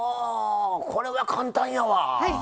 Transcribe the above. これは簡単やわ。